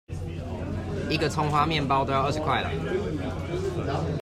一個蔥花麵包都要二十塊了！